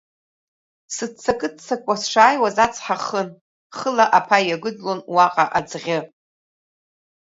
Сыццакы-ццак сшааиуаз ацҳа хыхын, хыла аԥаҩ иагәыдлон уаҟа аӡ-ӷьы.